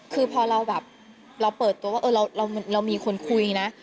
คือพอเราแบบเราเปิดตัวว่าเรามีคนคุยนะ